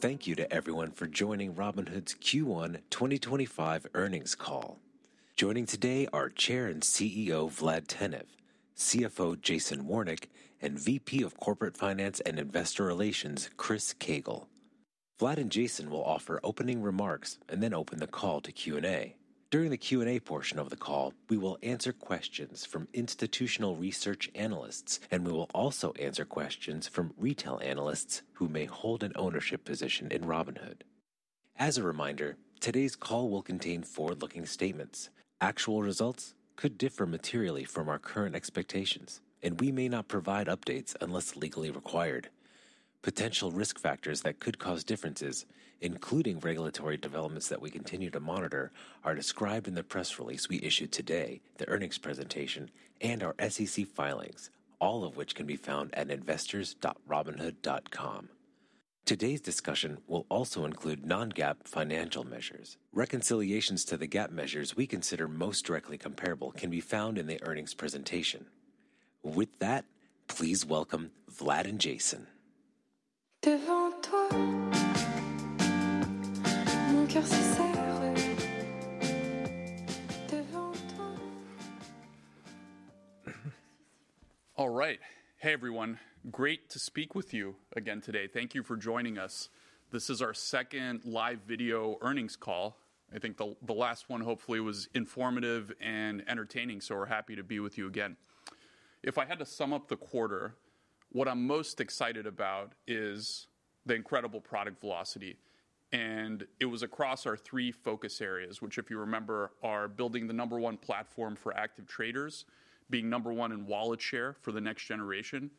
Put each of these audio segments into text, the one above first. Thank you to everyone for joining Robinhood's Q1 2025 earnings call. Joining today are Chair and CEO Vlad Tenev, CFO Jason Warnick, and VP of Corporate Finance and Investor Relations Chris Koegel. Vlad and Jason will offer opening remarks and then open the call to Q&A. During the Q&A portion of the call, we will answer questions from institutional research analysts, and we will also answer questions from retail analysts who may hold an ownership position in Robinhood. As a reminder, today's call will contain forward-looking statements. Actual results could differ materially from our current expectations, and we may not provide updates unless legally required. Potential risk factors that could cause differences, including regulatory developments that we continue to monitor, are described in the press release we issued today, the earnings presentation, and our SEC filings, all of which can be found at investors.robinhood.com. Today's discussion will also include non-GAAP financial measures. Reconciliations to the GAAP measures we consider most directly comparable can be found in the earnings presentation. With that, please welcome Vlad and Jason. All right. Hey, everyone. Great to speak with you again today. Thank you for joining us. This is our second live video earnings call. I think the last one, hopefully, was informative and entertaining, so we're happy to be with you again. If I had to sum up the quarter, what I'm most excited about is the incredible product velocity. It was across our three focus areas, which, if you remember, are building the number one platform for active traders, being number one in wallet share for the next generation,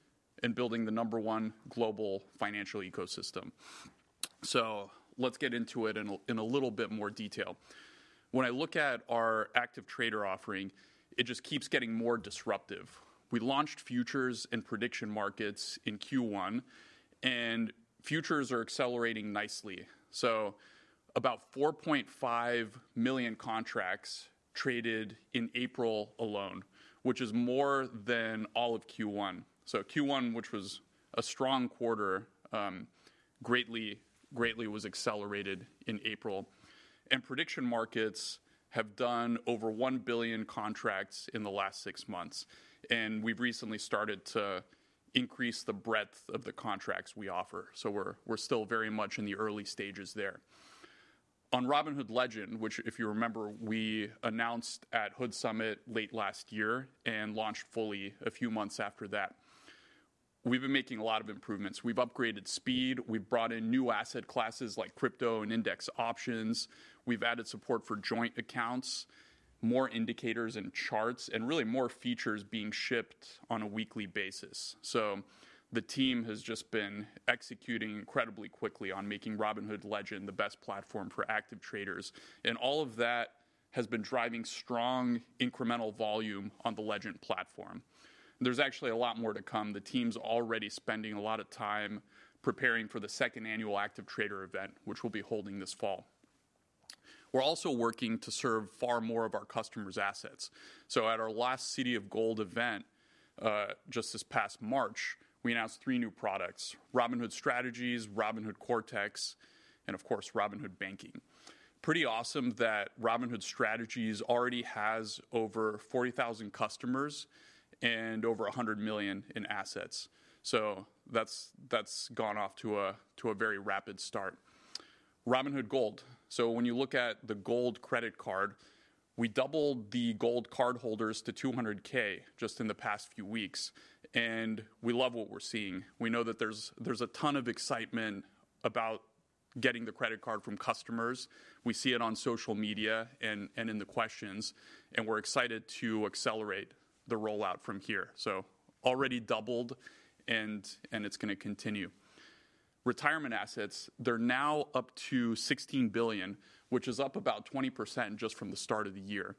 and building the number one global financial ecosystem. Let's get into it in a little bit more detail. When I look at our active trader offering, it just keeps getting more disruptive. We launched futures and prediction markets in Q1, and futures are accelerating nicely. About 4.5 million contracts traded in April alone, which is more than all of Q1. Q1, which was a strong quarter, greatly was accelerated in April. Prediction markets have done over 1 billion contracts in the last six months. We have recently started to increase the breadth of the contracts we offer. We are still very much in the early stages there. On Robinhood Legend, which, if you remember, we announced at Hood Summit late last year and launched fully a few months after that, we have been making a lot of improvements. We have upgraded speed. We have brought in new asset classes like crypto and index options. We have added support for joint accounts, more indicators and charts, and really more features being shipped on a weekly basis. The team has just been executing incredibly quickly on making Robinhood Legend the best platform for active traders. All of that has been driving strong incremental volume on the Legend platform. There's actually a lot more to come. The team's already spending a lot of time preparing for the second annual active trader event, which we'll be holding this fall. We're also working to serve far more of our customers' assets. At our last City of Gold event just this past March, we announced three new products: Robinhood Strategies, Robinhood Cortex, and of course, Robinhood Banking. Pretty awesome that Robinhood Strategies already has over 40,000 customers and over $100 million in assets. That's gone off to a very rapid start. Robinhood Gold. When you look at the Gold credit card, we doubled the Gold cardholders to 200,000 just in the past few weeks. We love what we're seeing. We know that there's a ton of excitement about getting the credit card from customers. We see it on social media and in the questions. We're excited to accelerate the rollout from here. Already doubled, and it's going to continue. Retirement assets are now up to $16 billion, which is up about 20% just from the start of the year.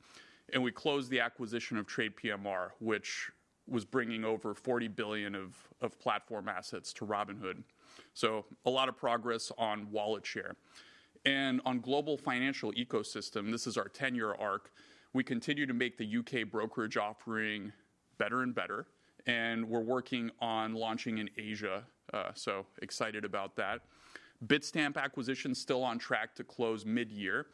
We closed the acquisition of TradePMR, which was bringing over $40 billion of platform assets to Robinhood. A lot of progress on wallet share. On global financial ecosystem, this is our ten-year arc. We continue to make the U.K. brokerage offering better and better. We're working on launching in Asia. Excited about that. Bitstamp acquisition still on track to close mid-year.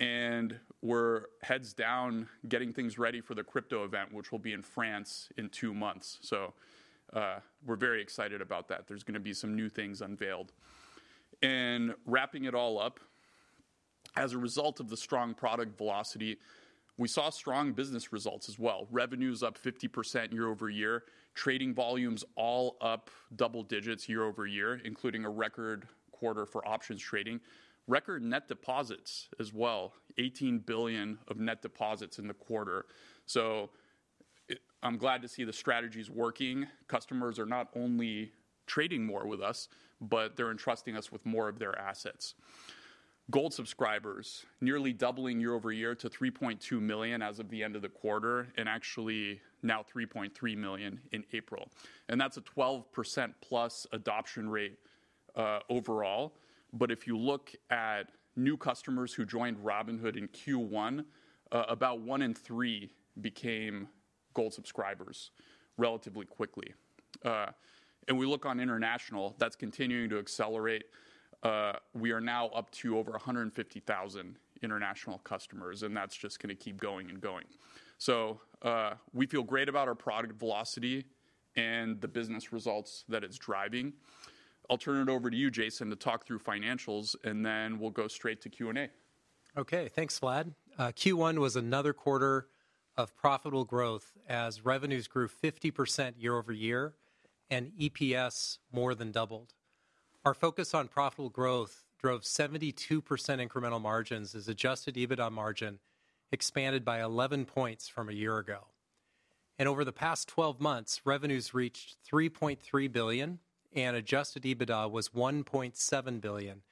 We're heads down getting things ready for the crypto event, which will be in France in two months. We're very excited about that. There's going to be some new things unveiled. Wrapping it all up, as a result of the strong product velocity, we saw strong business results as well. Revenues up 50% year-over-year. Trading volumes all up double digits year-over-year, including a record quarter for options trading. Record net deposits as well, $18 billion of net deposits in the quarter. I'm glad to see the strategies working. Customers are not only trading more with us, but they're entrusting us with more of their assets. Gold subscribers, nearly doubling year-over-year to 3.2 million as of the end of the quarter, and actually now 3.3 million in April. That's a 12%+ adoption rate overall. If you look at new customers who joined Robinhood in Q1, about one in three became Gold subscribers relatively quickly. We look on international, that's continuing to accelerate. We are now up to over 150,000 international customers, and that's just going to keep going and going. We feel great about our product velocity and the business results that it's driving. I'll turn it over to you, Jason, to talk through financials, and then we'll go straight to Q&A. Okay, thanks, Vlad. Q1 was another quarter of profitable growth as revenues grew 50% year-over-year and EPS more than doubled. Our focus on profitable growth drove 72% incremental margins as adjusted EBITDA margin expanded by 11 percentage points from a year ago. Over the past 12 months, revenues reached $3.3 billion and adjusted EBITDA was $1.7 billion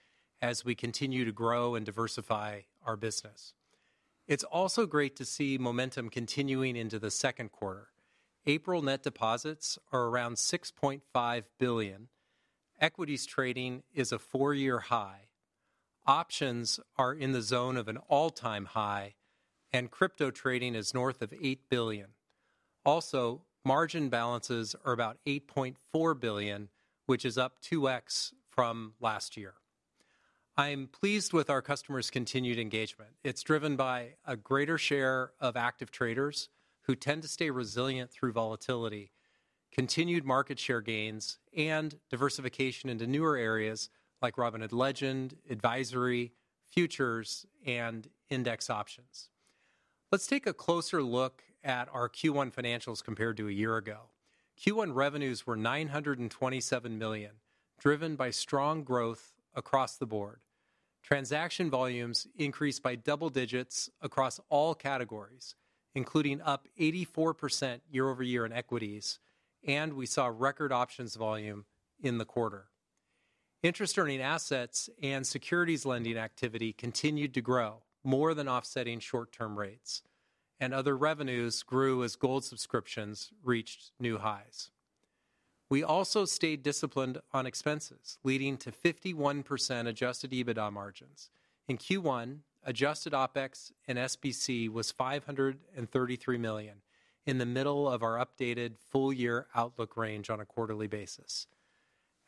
as we continue to grow and diversify our business. It is also great to see momentum continuing into the second quarter. April net deposits are around $6.5 billion. Equities trading is at a four-year high. Options are in the zone of an all-time high, and crypto trading is north of $8 billion. Margin balances are about $8.4 billion, which is up 2x from last year. I am pleased with our customers' continued engagement. It's driven by a greater share of active traders who tend to stay resilient through volatility, continued market share gains, and diversification into newer areas like Robinhood Legend, advisory, futures, and index options. Let's take a closer look at our Q1 financials compared to a year ago. Q1 revenues were $927 million, driven by strong growth across the board. Transaction volumes increased by double digits across all categories, including up 84% year-over-year in equities, and we saw record options volume in the quarter. Interest-earning assets and securities lending activity continued to grow, more than offsetting short-term rates. Other revenues grew as Gold subscriptions reached new highs. We also stayed disciplined on expenses, leading to 51% adjusted EBITDA margins. In Q1, adjusted OPEX and SBC was $533 million in the middle of our updated full-year outlook range on a quarterly basis.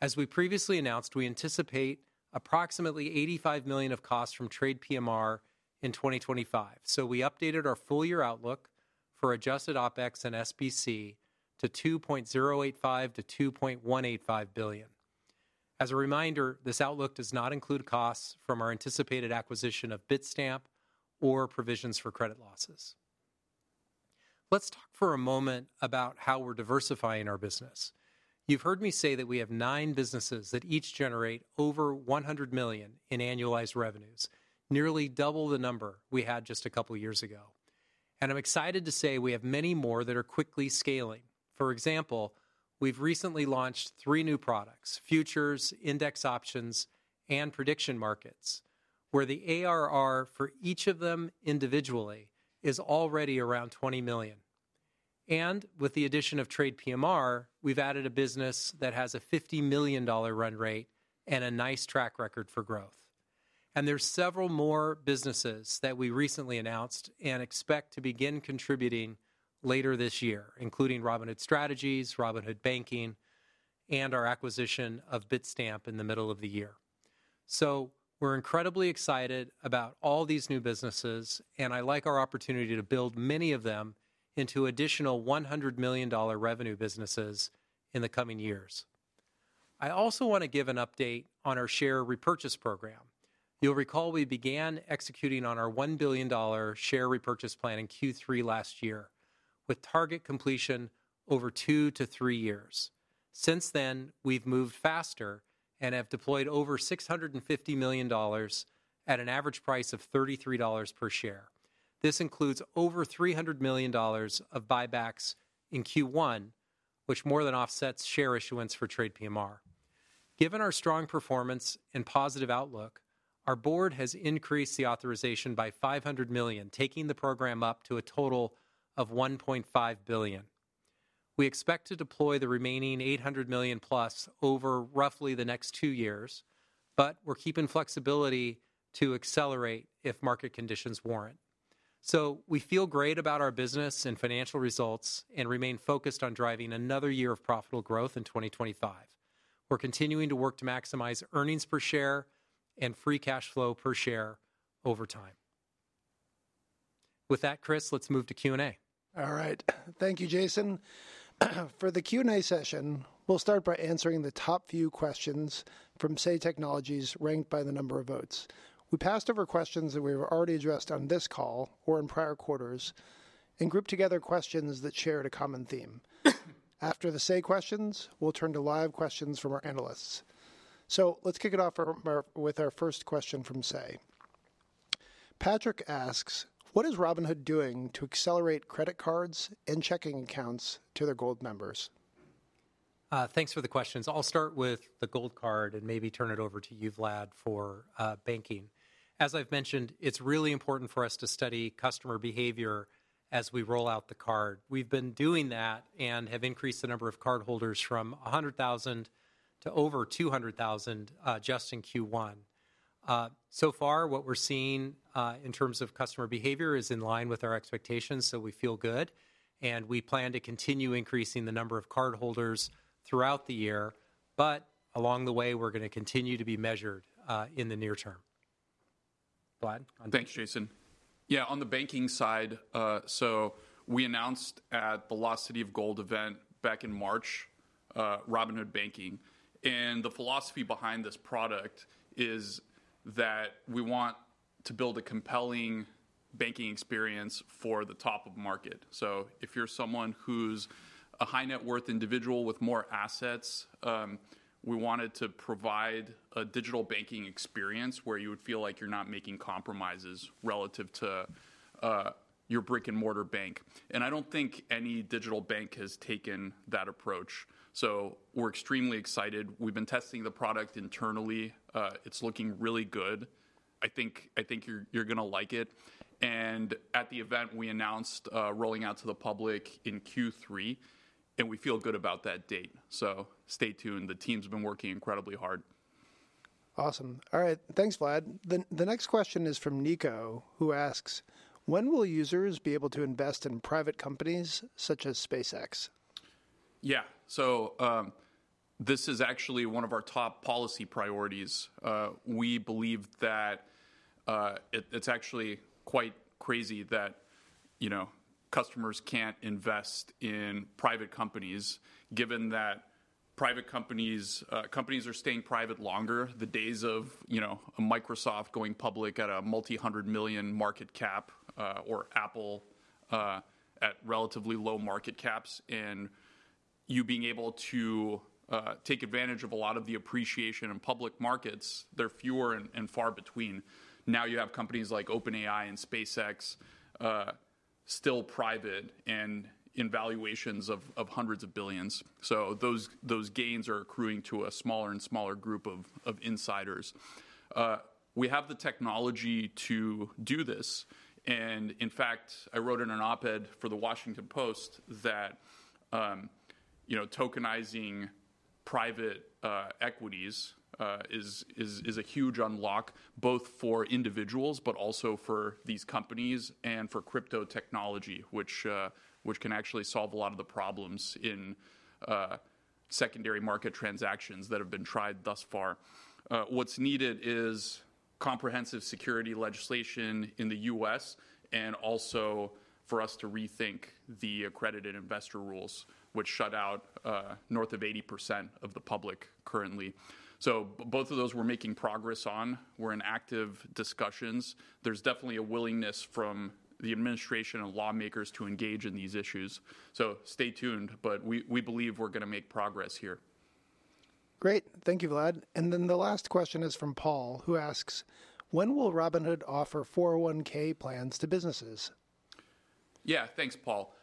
As we previously announced, we anticipate approximately $85 million of costs from TradePMR in 2025. We updated our full-year outlook for adjusted OPEX and SBC to $2.085 billion-$2.185 billion. As a reminder, this outlook does not include costs from our anticipated acquisition of Bitstamp or provisions for credit losses. Let's talk for a moment about how we're diversifying our business. You've heard me say that we have nine businesses that each generate over $100 million in annualized revenues, nearly double the number we had just a couple of years ago. I'm excited to say we have many more that are quickly scaling. For example, we've recently launched three new products: futures, index options, and prediction markets, where the ARR for each of them individually is already around $20 million. With the addition of TradePMR, we've added a business that has a $50 million run rate and a nice track record for growth. There are several more businesses that we recently announced and expect to begin contributing later this year, including Robinhood Strategies, Robinhood Banking, and our acquisition of Bitstamp in the middle of the year. We're incredibly excited about all these new businesses, and I like our opportunity to build many of them into additional $100 million revenue businesses in the coming years. I also want to give an update on our share repurchase program. You'll recall we began executing on our $1 billion share repurchase plan in Q3 last year, with target completion over two to three years. Since then, we've moved faster and have deployed over $650 million at an average price of $33 per share. This includes over $300 million of buybacks in Q1, which more than offsets share issuance for TradePMR. Given our strong performance and positive outlook, our board has increased the authorization by $500 million, taking the program up to a total of $1.5 billion. We expect to deploy the remaining $800 million-plus over roughly the next two years, but we're keeping flexibility to accelerate if market conditions warrant. We feel great about our business and financial results and remain focused on driving another year of profitable growth in 2025. We're continuing to work to maximize earnings per share and free cash flow per share over time. With that, Chris, let's move to Q&A. All right. Thank you, Jason. For the Q&A session, we'll start by answering the top few questions from Say Technologies ranked by the number of votes. We passed over questions that we've already addressed on this call or in prior quarters and grouped together questions that shared a common theme. After the Say questions, we'll turn to live questions from our analysts. Let's kick it off with our first question from Say. Patrick asks, what is Robinhood doing to accelerate credit cards and checking accounts to their Gold members? Thanks for the questions. I'll start with the Gold Card and maybe turn it over to you, Vlad, for banking. As I've mentioned, it's really important for us to study customer behavior as we roll out the card. We've been doing that and have increased the number of cardholders from 100,000 to over 200,000 just in Q1. What we're seeing in terms of customer behavior is in line with our expectations, so we feel good. We plan to continue increasing the number of cardholders throughout the year, but along the way, we're going to continue to be measured in the near term. Vlad? Thanks, Jason. Yeah, on the banking side, we announced at the Velocity of Gold event back in March, Robinhood Banking. The philosophy behind this product is that we want to build a compelling banking experience for the top of the market. If you're someone who's a high-net-worth individual with more assets, we wanted to provide a digital banking experience where you would feel like you're not making compromises relative to your brick-and-mortar bank. I don't think any digital bank has taken that approach. We're extremely excited. We've been testing the product internally. It's looking really good. I think you're going to like it. At the event, we announced rolling out to the public in Q3, and we feel good about that date. Stay tuned. The team's been working incredibly hard. Awesome. All right. Thanks, Vlad. The next question is from Nico, who asks, when will users be able to invest in private companies such as SpaceX? Yeah. This is actually one of our top policy priorities. We believe that it's actually quite crazy that customers can't invest in private companies, given that private companies are staying private longer. The days of Microsoft going public at a multi-hundred million market cap or Apple at relatively low market caps and you being able to take advantage of a lot of the appreciation in public markets, they're fewer and far between. Now you have companies like OpenAI and SpaceX still private and in valuations of hundreds of billions. Those gains are accruing to a smaller and smaller group of insiders. We have the technology to do this. In fact, I wrote in an op-ed for the Washington Post that tokenizing private equities is a huge unlock, both for individuals, but also for these companies and for crypto technology, which can actually solve a lot of the problems in secondary market transactions that have been tried thus far. What is needed is comprehensive security legislation in the U.S. and also for us to rethink the accredited investor rules, which shut out north of 80% of the public currently. Both of those we are making progress on. We are in active discussions. There is definitely a willingness from the administration and lawmakers to engage in these issues. Stay tuned, but we believe we are going to make progress here. Great. Thank you, Vlad. The last question is from Paul, who asks, when will Robinhood offer 401(k) plans to businesses? Yeah, thanks, Paul.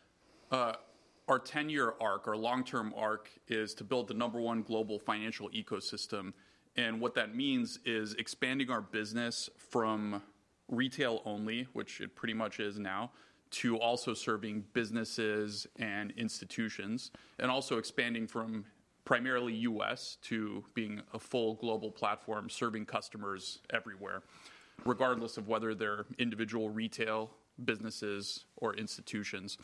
Our 10-year arc, or long-term arc, is to build the number one global financial ecosystem. What that means is expanding our business from retail only, which it pretty much is now, to also serving businesses and institutions, and also expanding from primarily U.S. to being a full global platform serving customers everywhere, regardless of whether they're individual retail businesses or institutions.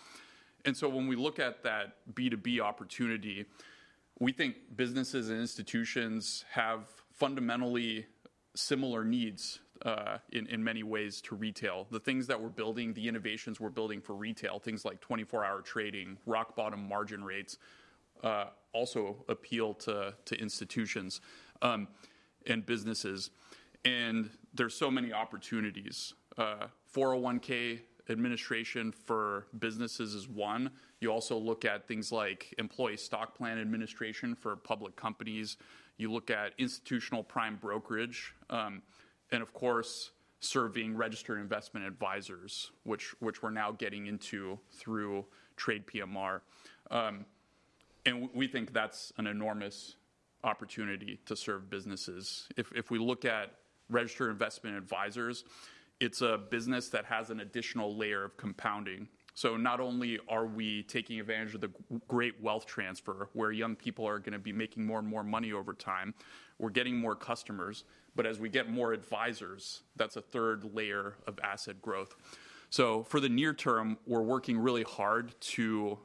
When we look at that B2B opportunity, we think businesses and institutions have fundamentally similar needs in many ways to retail. The things that we're building, the innovations we're building for retail, things like 24-hour trading, rock bottom margin rates, also appeal to institutions and businesses. There are so many opportunities. 401(k) administration for businesses is one. You also look at things like employee stock plan administration for public companies. You look at institutional prime brokerage. Of course, serving registered investment advisors, which we're now getting into through TradePMR. We think that's an enormous opportunity to serve businesses. If we look at registered investment advisors, it's a business that has an additional layer of compounding. Not only are we taking advantage of the great wealth transfer, where young people are going to be making more and more money over time, we're getting more customers. As we get more advisors, that's a third layer of asset growth. For the near term, we're working really hard to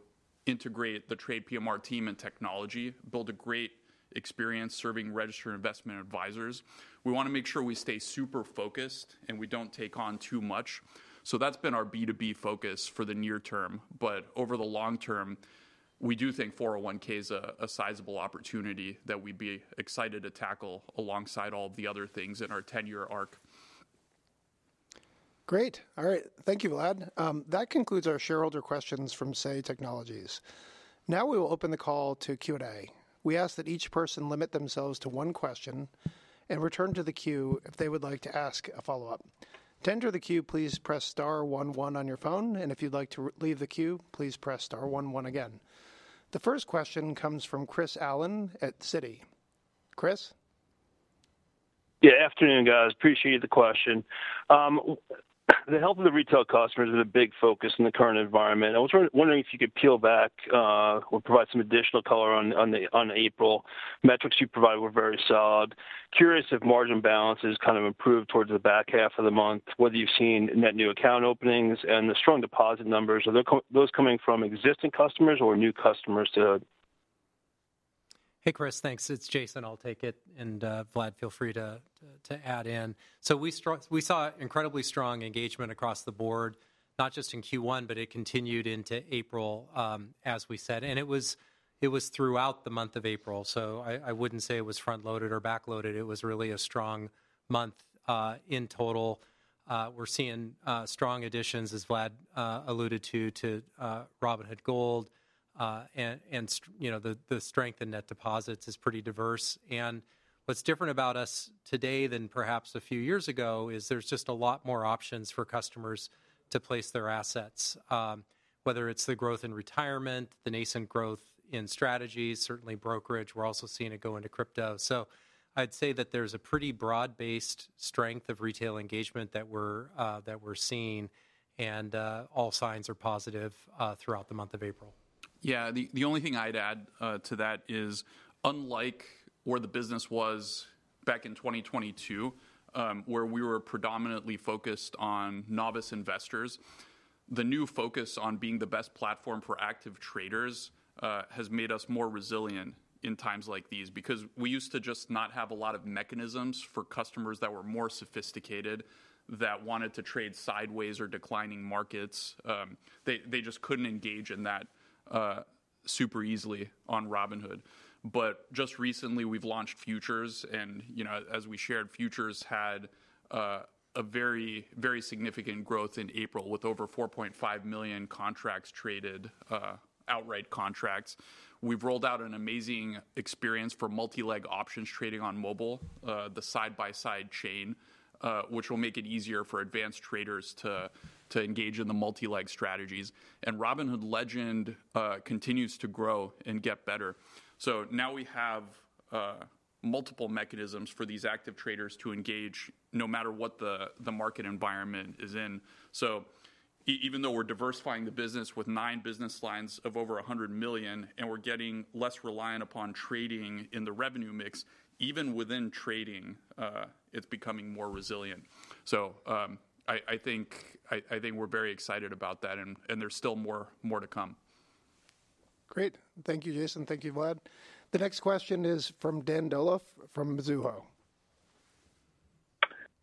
integrate the TradePMR team and technology, build a great experience serving registered investment advisors. We want to make sure we stay super focused and we don't take on too much. That's been our B2B focus for the near term. Over the long term, we do think 401(k) is a sizable opportunity that we'd be excited to tackle alongside all of the other things in our 10-year arc. Great. All right. Thank you, Vlad. That concludes our shareholder questions from Say Technologies. Now we will open the call to Q&A. We ask that each person limit themselves to one question and return to the queue if they would like to ask a follow-up. To enter the queue, please press star one, one on your phone. If you'd like to leave the queue, please press star one, one again. The first question comes from Chris Allen at Citi. Chris? Yeah, afternoon, guys. Appreciate the question. The health of the retail customers is a big focus in the current environment. I was wondering if you could peel back or provide some additional color on April. Metrics you provided were very solid. Curious if margin balances kind of improved towards the back half of the month, whether you've seen net new account openings and the strong deposit numbers. Are those coming from existing customers or new customers? Hey, Chris, thanks. It's Jason. I'll take it. Vlad, feel free to add in. We saw incredibly strong engagement across the board, not just in Q1, but it continued into April, as we said. It was throughout the month of April. I wouldn't say it was front-loaded or back-loaded. It was really a strong month in total. We're seeing strong additions, as Vlad alluded to, to Robinhood Gold. The strength in net deposits is pretty diverse. What's different about us today than perhaps a few years ago is there's just a lot more options for customers to place their assets, whether it's the growth in retirement, the nascent growth in strategies, certainly brokerage. We're also seeing it go into crypto. I'd say that there's a pretty broad-based strength of retail engagement that we're seeing. All signs are positive throughout the month of April. Yeah. The only thing I'd add to that is, unlike where the business was back in 2022, where we were predominantly focused on novice investors, the new focus on being the best platform for active traders has made us more resilient in times like these because we used to just not have a lot of mechanisms for customers that were more sophisticated that wanted to trade sideways or declining markets. They just could not engage in that super easily on Robinhood. Just recently, we have launched futures. As we shared, futures had a very, very significant growth in April with over 4.5 million contracts traded, outright contracts. We have rolled out an amazing experience for multi-leg options trading on mobile, the side-by-side chain, which will make it easier for advanced traders to engage in the multi-leg strategies. Robinhood Legend continues to grow and get better. Now we have multiple mechanisms for these active traders to engage no matter what the market environment is in. Even though we're diversifying the business with nine business lines of over $100 million, and we're getting less reliant upon trading in the revenue mix, even within trading, it's becoming more resilient. I think we're very excited about that. There's still more to come. Great. Thank you, Jason. Thank you, Vlad. The next question is from Dan Dolev from Mizuho.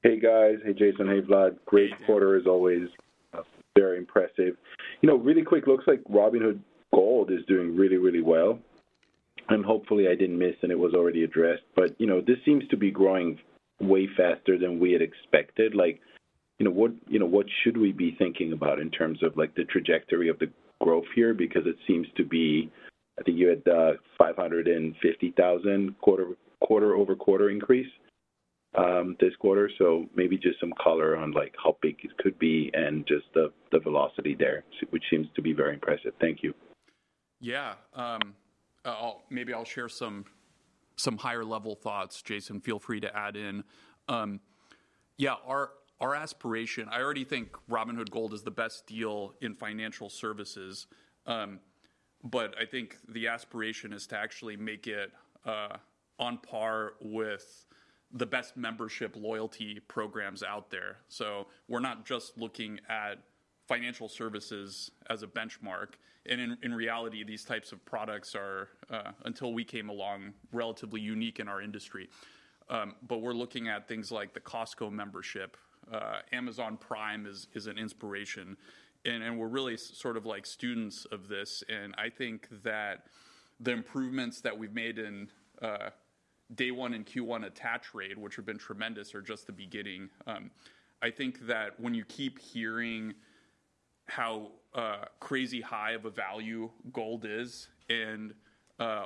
Hey, guys. Hey, Jason. Hey, Vlad. Great quarter as always. Very impressive. Really quick, looks like Robinhood Gold is doing really, really well. Hopefully, I didn't miss and it was already addressed. This seems to be growing way faster than we had expected. What should we be thinking about in terms of the trajectory of the growth here? It seems to be, I think you had 550,000 quarter-over-quarter increase this quarter. Maybe just some color on how big it could be and just the velocity there, which seems to be very impressive. Thank you. Yeah. Maybe I'll share some higher-level thoughts. Jason, feel free to add in. Yeah, our aspiration, I already think Robinhood Gold is the best deal in financial services. I think the aspiration is to actually make it on par with the best membership loyalty programs out there. We're not just looking at financial services as a benchmark. In reality, these types of products are, until we came along, relatively unique in our industry. We're looking at things like the Costco membership. Amazon Prime is an inspiration. We're really sort of like students of this. I think that the improvements that we've made in day one and Q1 attach rate, which have been tremendous, are just the beginning. I think that when you keep hearing how crazy high of a value Gold is and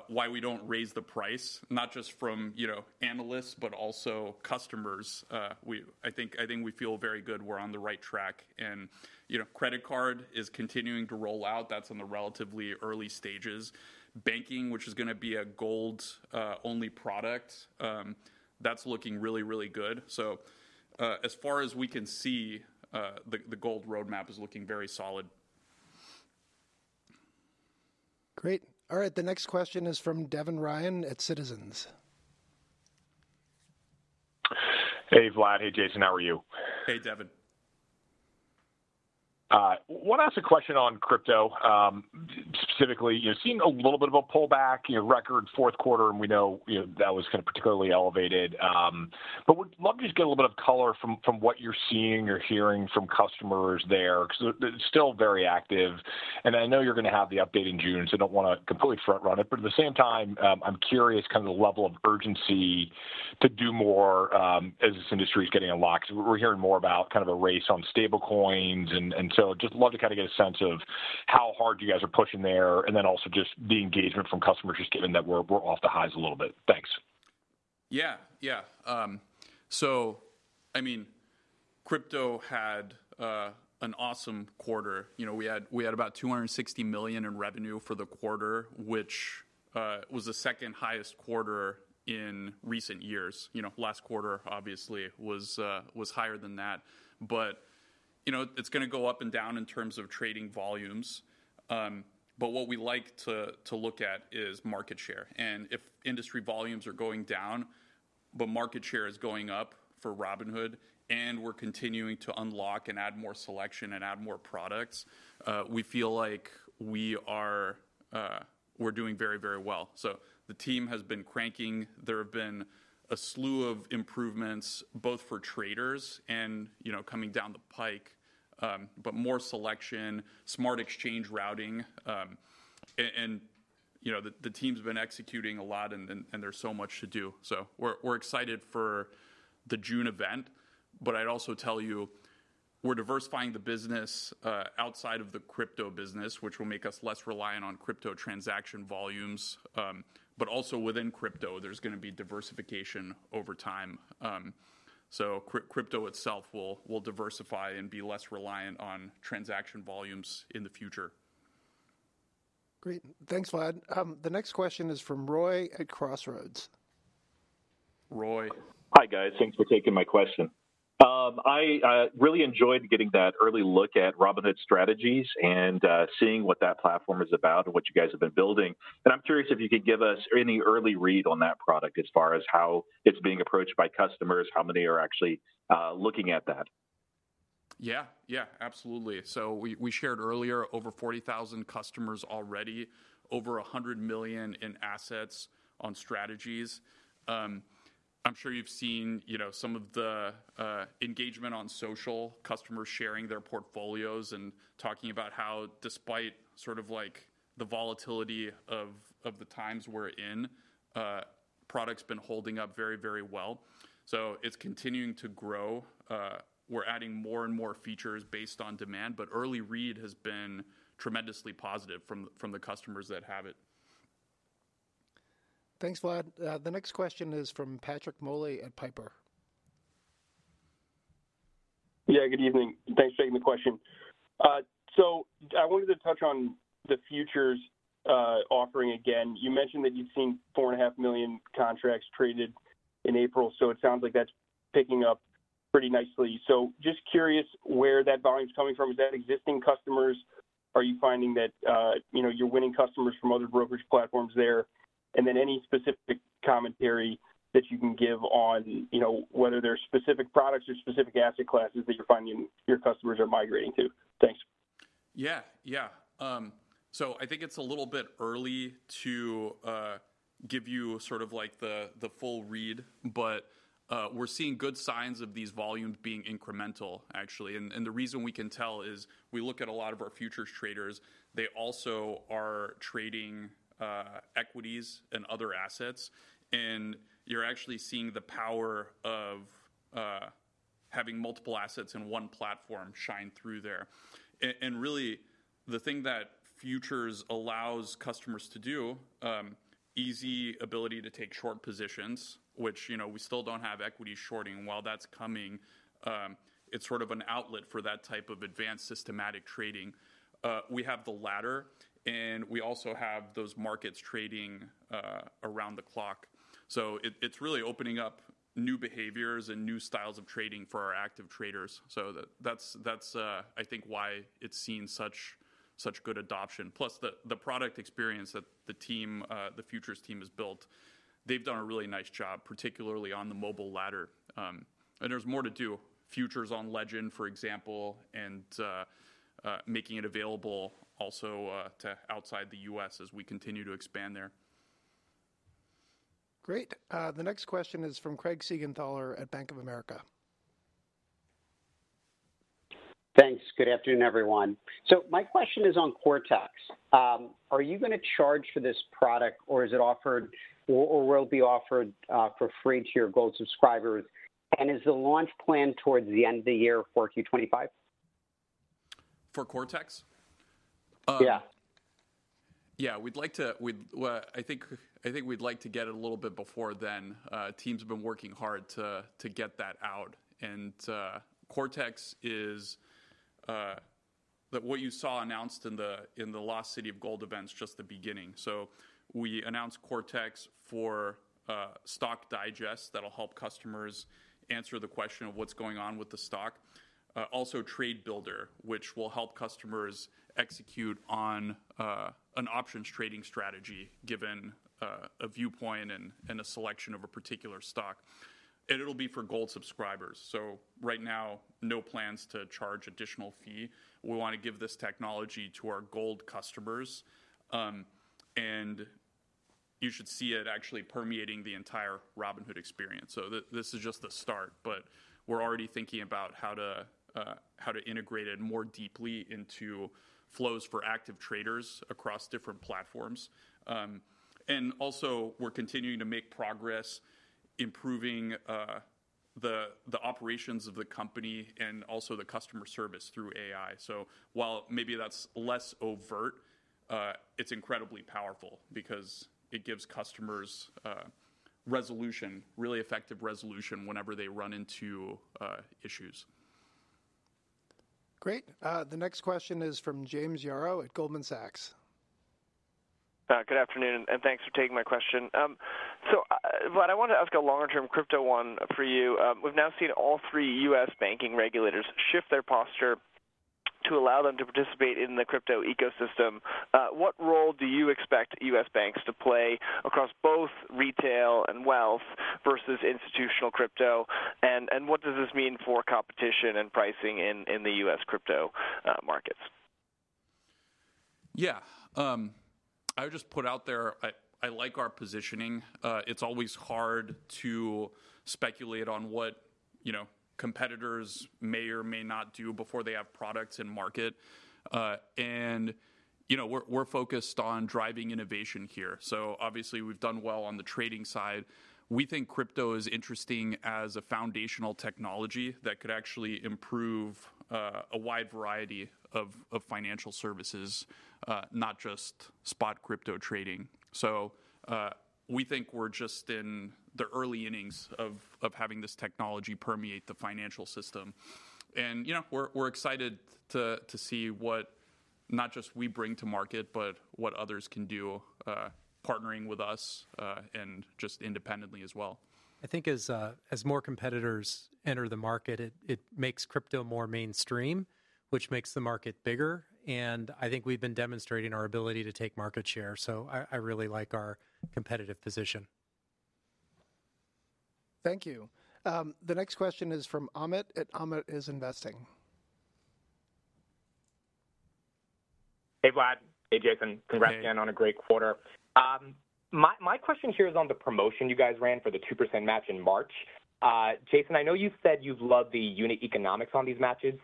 why we do not raise the price, not just from analysts, but also customers, I think we feel very good we are on the right track. Credit card is continuing to roll out. That is in the relatively early stages. Banking, which is going to be a Gold-only product, that is looking really, really good. As far as we can see, the Gold roadmap is looking very solid. Great. All right. The next question is from Devin Ryan at Citizens. Hey, Vlad. Hey, Jason. How are you? Hey, Devin. I want to ask a question on crypto, specifically seeing a little bit of a pullback, record fourth quarter, and we know that was kind of particularly elevated. I would love to just get a little bit of color from what you're seeing or hearing from customers there because it's still very active. I know you're going to have the update in June, so I don't want to completely front-run it. At the same time, I'm curious kind of the level of urgency to do more as this industry is getting a lock. We're hearing more about kind of a race on stablecoins. I would just love to kind of get a sense of how hard you guys are pushing there and then also just the engagement from customers, just given that we're off the highs a little bit. Thanks. Yeah, yeah. I mean, crypto had an awesome quarter. We had about $260 million in revenue for the quarter, which was the second highest quarter in recent years. Last quarter, obviously, was higher than that. It's going to go up and down in terms of trading volumes. What we like to look at is market share. If industry volumes are going down, but market share is going up for Robinhood, and we're continuing to unlock and add more selection and add more products, we feel like we're doing very, very well. The team has been cranking. There have been a slew of improvements, both for traders and coming down the pike, but more selection, smart exchange routing. The team's been executing a lot, and there's so much to do. We're excited for the June event. I'd also tell you, we're diversifying the business outside of the crypto business, which will make us less reliant on crypto transaction volumes. Also, within crypto, there's going to be diversification over time. Crypto itself will diversify and be less reliant on transaction volumes in the future. Great. Thanks, Vlad. The next question is from Roy at Crossroads. Roy. Hi, guys. Thanks for taking my question. I really enjoyed getting that early look at Robinhood Strategies and seeing what that platform is about and what you guys have been building. I'm curious if you could give us any early read on that product as far as how it's being approached by customers, how many are actually looking at that. Yeah, yeah, absolutely. We shared earlier over 40,000 customers already, over $100 million in assets on Strategies. I'm sure you've seen some of the engagement on social, customers sharing their portfolios and talking about how, despite sort of the volatility of the times we're in, product's been holding up very, very well. It's continuing to grow. We're adding more and more features based on demand. Early read has been tremendously positive from the customers that have it. Thanks, Vlad. The next question is from Patrick Moley at Piper. Yeah, good evening. Thanks for taking the question. I wanted to touch on the futures offering again. You mentioned that you've seen 4.5 million contracts traded in April. It sounds like that's picking up pretty nicely. I'm just curious where that volume's coming from. Is that existing customers? Are you finding that you're winning customers from other brokerage platforms there? Any specific commentary that you can give on whether there are specific products or specific asset classes that you're finding your customers are migrating to? Thanks. Yeah, yeah. I think it's a little bit early to give you sort of the full read. We're seeing good signs of these volumes being incremental, actually. The reason we can tell is we look at a lot of our futures traders, they also are trading equities and other assets. You're actually seeing the power of having multiple assets in one platform shine through there. Really, the thing that futures allows customers to do is easy ability to take short positions, which we still don't have equity shorting while that's coming. It's sort of an outlet for that type of advanced systematic trading. We have the latter, and we also have those markets trading around the clock. It's really opening up new behaviors and new styles of trading for our active traders. I think that's why it's seen such good adoption. Plus, the product experience that the team, the futures team has built, they've done a really nice job, particularly on the mobile ladder. There's more to do. Futures on Legend, for example, and making it available also to outside the U.S. as we continue to expand there. Great. The next question is from Craig Siegenthaler at Bank of America. Thanks. Good afternoon, everyone. My question is on Cortex. Are you going to charge for this product, or is it offered, or will it be offered for free to your Gold subscribers? Is the launch planned towards the end of the year for 2025? For Cortex? Yeah. Yeah, we'd like to, I think we'd like to get it a little bit before then. Teams have been working hard to get that out. Cortex is what you saw announced in the last City of Gold events, just the beginning. We announced Cortex for stock digests that'll help customers answer the question of what's going on with the stock. Also, Trade Builder, which will help customers execute on an options trading strategy given a viewpoint and a selection of a particular stock. It'll be for Gold subscribers. Right now, no plans to charge additional fee. We want to give this technology to our Gold customers. You should see it actually permeating the entire Robinhood experience. This is just the start. We're already thinking about how to integrate it more deeply into flows for active traders across different platforms. We're continuing to make progress improving the operations of the company and also the customer service through AI. While maybe that's less overt, it's incredibly powerful because it gives customers resolution, really effective resolution whenever they run into issues. Great. The next question is from James Yaro at Goldman Sachs. Good afternoon, and thanks for taking my question. Vlad, I wanted to ask a longer-term crypto one for you. We've now seen all three U.S. banking regulators shift their posture to allow them to participate in the crypto ecosystem. What role do you expect U.S. banks to play across both retail and wealth versus institutional crypto? What does this mean for competition and pricing in the U.S. crypto markets? Yeah. I would just put out there, I like our positioning. It's always hard to speculate on what competitors may or may not do before they have products in market. We're focused on driving innovation here. Obviously, we've done well on the trading side. We think crypto is interesting as a foundational technology that could actually improve a wide variety of financial services, not just spot crypto trading. We think we're just in the early innings of having this technology permeate the financial system. We're excited to see what not just we bring to market, but what others can do partnering with us and just independently as well. I think as more competitors enter the market, it makes crypto more mainstream, which makes the market bigger. I think we've been demonstrating our ability to take market share. I really like our competitive position. Thank you. The next question is from Amit at Amit is Investing. Hey, Vlad. Hey, Jason. Congrats again on a great quarter. My question here is on the promotion you guys ran for the 2% match in March. Jason, I know you said you've loved the unit economics on these matches.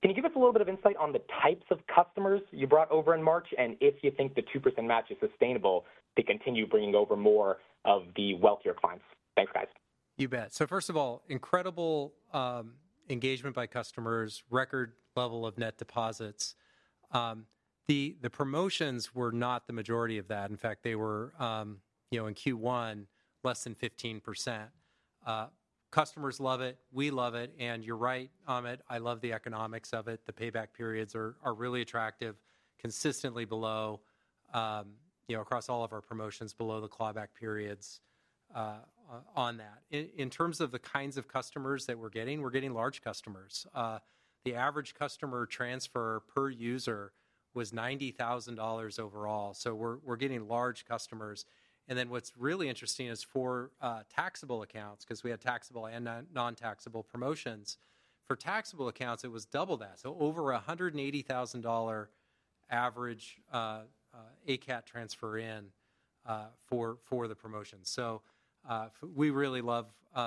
Can you give us a little bit of insight on the types of customers you brought over in March and if you think the 2% match is sustainable to continue bringing over more of the wealthier clients? Thanks, guys. You bet. First of all, incredible engagement by customers, record level of net deposits. The promotions were not the majority of that. In fact, they were in Q1 less than 15%. Customers love it. We love it. You're right, Amit. I love the economics of it. The payback periods are really attractive, consistently below across all of our promotions below the clawback periods on that. In terms of the kinds of customers that we're getting, we're getting large customers. The average customer transfer per user was $90,000 overall. We're getting large customers. What's really interesting is for taxable accounts, because we had taxable and non-taxable promotions, for taxable accounts, it was double that. Over $180,000 average ACAT transfer in for the promotion. We really love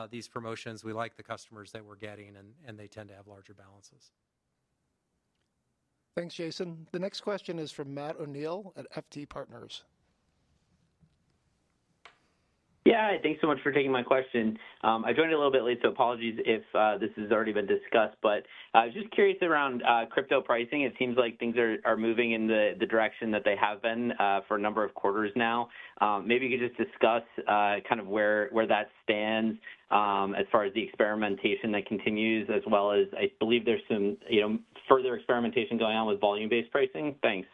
these promotions. We like the customers that we're getting, and they tend to have larger balances. Thanks, Jason. The next question is from Matt O'Neill at FT Partners. Yeah, thanks so much for taking my question. I joined a little bit late, so apologies if this has already been discussed. I was just curious around crypto pricing. It seems like things are moving in the direction that they have been for a number of quarters now. Maybe you could just discuss kind of where that stands as far as the experimentation that continues, as well as I believe there's some further experimentation going on with volume-based pricing. Thanks.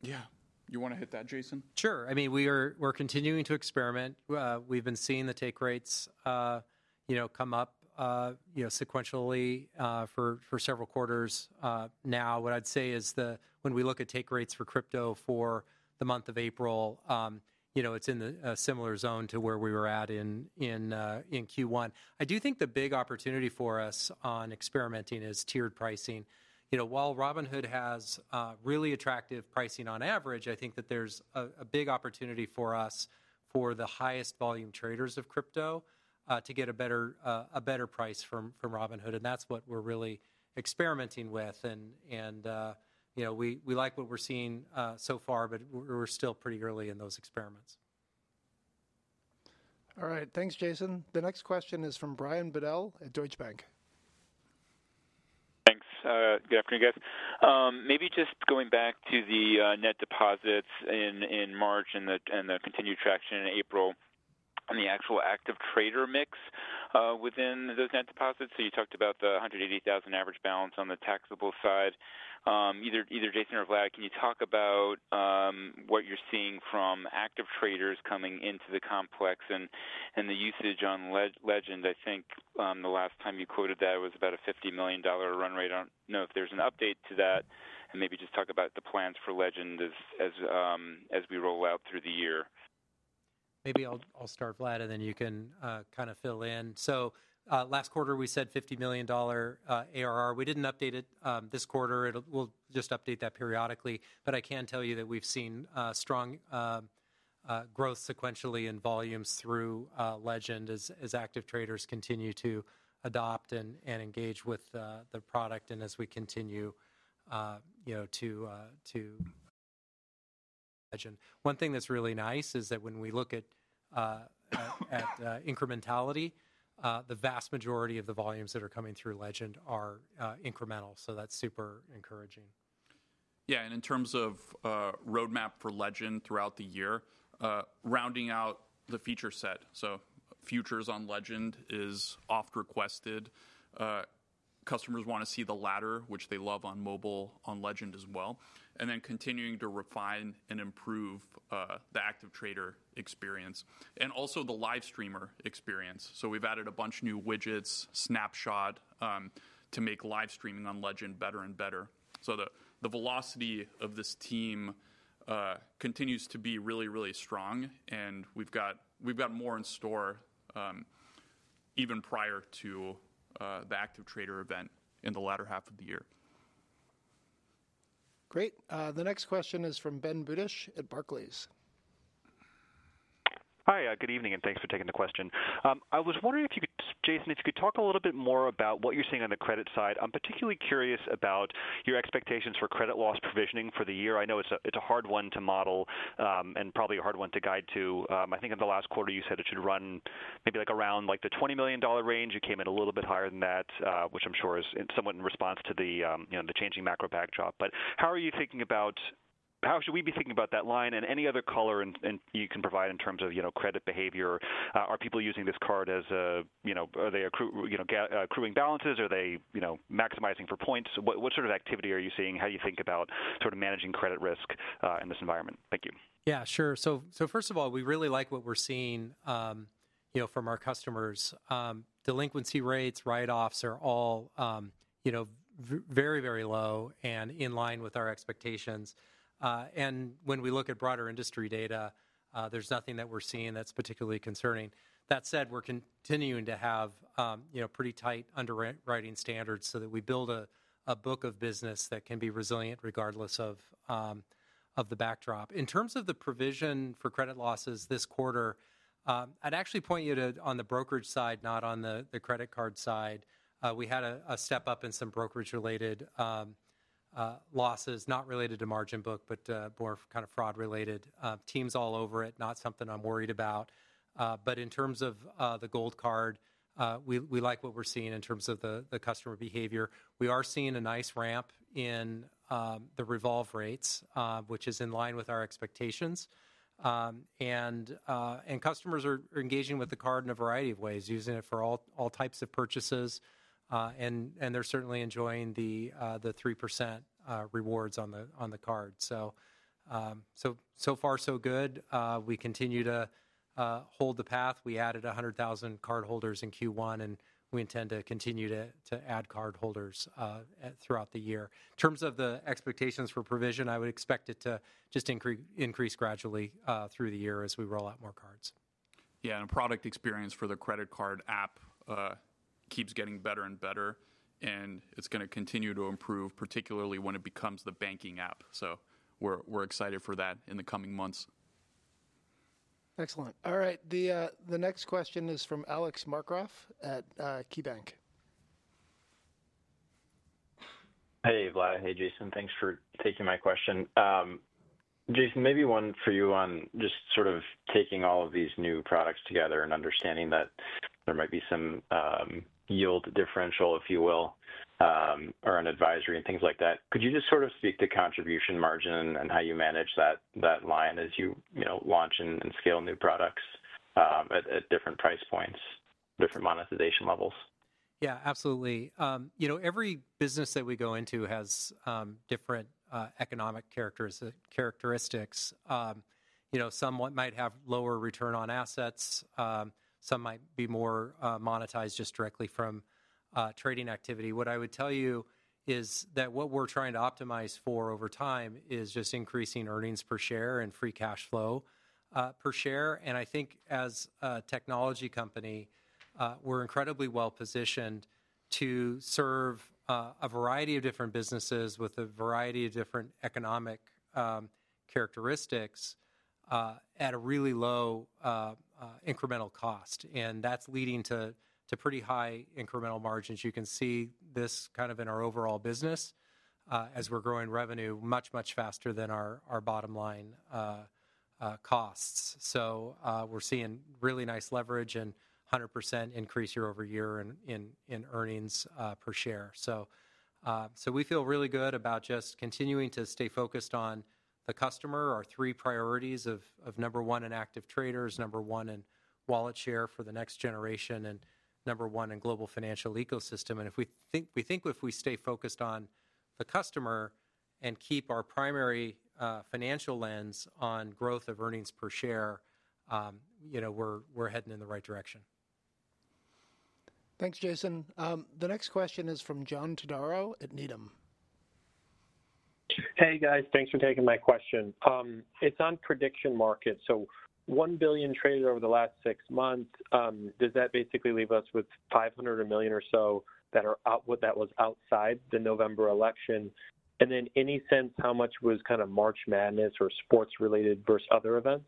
Yeah. You want to hit that, Jason? Sure. I mean, we're continuing to experiment. We've been seeing the take rates come up sequentially for several quarters now. What I'd say is when we look at take rates for crypto for the month of April, it's in a similar zone to where we were at in Q1. I do think the big opportunity for us on experimenting is tiered pricing. While Robinhood has really attractive pricing on average, I think that there's a big opportunity for us for the highest volume traders of crypto to get a better price from Robinhood. That's what we're really experimenting with. We like what we're seeing so far, but we're still pretty early in those experiments. All right. Thanks, Jason. The next question is from Brian Bedell at Deutsche Bank. Thanks. Good afternoon, guys. Maybe just going back to the net deposits in March and the continued traction in April and the actual active trader mix within those net deposits. You talked about the $180,000 average balance on the taxable side. Either Jason or Vlad, can you talk about what you're seeing from active traders coming into the complex and the usage on Legend? I think the last time you quoted that was about a $50 million run rate. I don't know if there's an update to that, and maybe just talk about the plans for Legend as we roll out through the year. Maybe I'll start, Vlad, and then you can kind of fill in. Last quarter, we said $50 million ARR. We didn't update it this quarter. We'll just update that periodically. I can tell you that we've seen strong growth sequentially in volumes through Legend as active traders continue to adopt and engage with the product and as we continue to Legend. One thing that's really nice is that when we look at incrementality, the vast majority of the volumes that are coming through Legend are incremental. That's super encouraging. Yeah. In terms of roadmap for Legend throughout the year, rounding out the feature set. Futures on Legend is oft-requested. Customers want to see the ladder, which they love on mobile on Legend as well. Continuing to refine and improve the active trader experience and also the live streamer experience. We have added a bunch of new widgets, Snapshot, to make live streaming on Legend better and better. The velocity of this team continues to be really, really strong. We have more in store even prior to the active trader event in the latter half of the year. Great. The next question is from Ben Budish at Barclays. Hi, good evening, and thanks for taking the question. I was wondering if you could, Jason, if you could talk a little bit more about what you're seeing on the credit side. I'm particularly curious about your expectations for credit loss provisioning for the year. I know it's a hard one to model and probably a hard one to guide to. I think in the last quarter, you said it should run maybe around the $20 million range. It came in a little bit higher than that, which I'm sure is somewhat in response to the changing macro backdrop. How are you thinking about how should we be thinking about that line and any other color you can provide in terms of credit behavior? Are people using this card as a, are they accruing balances? Are they maximizing for points? What sort of activity are you seeing? How do you think about sort of managing credit risk in this environment? Thank you. Yeah, sure. First of all, we really like what we're seeing from our customers. Delinquency rates, write-offs are all very, very low and in line with our expectations. When we look at broader industry data, there's nothing that we're seeing that's particularly concerning. That said, we're continuing to have pretty tight underwriting standards so that we build a book of business that can be resilient regardless of the backdrop. In terms of the provision for credit losses this quarter, I'd actually point you to on the brokerage side, not on the credit card side. We had a step up in some brokerage-related losses, not related to margin book, but more kind of fraud-related. Teams all over it, not something I'm worried about. In terms of the Gold card, we like what we're seeing in terms of the customer behavior. We are seeing a nice ramp in the revolve rates, which is in line with our expectations. Customers are engaging with the card in a variety of ways, using it for all types of purchases. They are certainly enjoying the 3% rewards on the card. So far, so good. We continue to hold the path. We added 100,000 cardholders in Q1, and we intend to continue to add cardholders throughout the year. In terms of the expectations for provision, I would expect it to just increase gradually through the year as we roll out more cards. Yeah. Product experience for the credit card app keeps getting better and better, and it's going to continue to improve, particularly when it becomes the banking app. We're excited for that in the coming months. Excellent. All right. The next question is from Alex Markgraff at KeyBanc. Hey, Vlad. Hey, Jason. Thanks for taking my question. Jason, maybe one for you on just sort of taking all of these new products together and understanding that there might be some yield differential, if you will, or an advisory and things like that. Could you just sort of speak to contribution margin and how you manage that line as you launch and scale new products at different price points, different monetization levels? Yeah, absolutely. Every business that we go into has different economic characteristics. Some might have lower return on assets. Some might be more monetized just directly from trading activity. What I would tell you is that what we're trying to optimize for over time is just increasing earnings per share and free cash flow per share. I think as a technology company, we're incredibly well-positioned to serve a variety of different businesses with a variety of different economic characteristics at a really low incremental cost. That's leading to pretty high incremental margins. You can see this kind of in our overall business as we're growing revenue much, much faster than our bottom line costs. We're seeing really nice leverage and 100% increase year-over-year in earnings per share. We feel really good about just continuing to stay focused on the customer, our three priorities of number one in active traders, number one in wallet share for the next generation, and number one in global financial ecosystem. We think if we stay focused on the customer and keep our primary financial lens on growth of earnings per share, we're heading in the right direction. Thanks, Jason. The next question is from John Todaro at Needham. Hey, guys. Thanks for taking my question. It's on prediction markets. 1 billion traders over the last six months, does that basically leave us with 500 million or so that were outside the November election? Any sense how much was kind of March Madness or sports-related versus other events?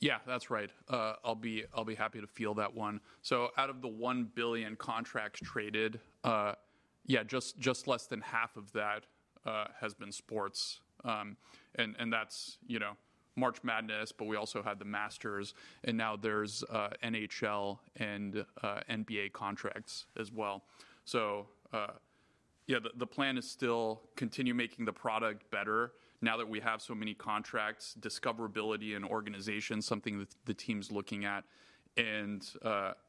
Yeah, that's right. I'll be happy to field that one. Out of the 1 billion contracts traded, just less than half of that has been sports. That's March Madness, but we also had the Masters, and now there's NHL and NBA contracts as well. The plan is still to continue making the product better now that we have so many contracts. Discoverability and organization are something that the team's looking at.